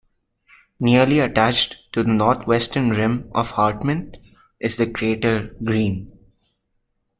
Nearly attached to the northwestern rim of Hartmann is the crater Green.